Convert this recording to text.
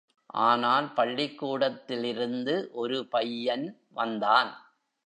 ஆனால் பள்ளிக்கூடத்திலிருந்து ஒரு பையன் வந்தான்.